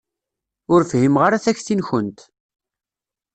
Ur fhimeɣ ara takti-nkent.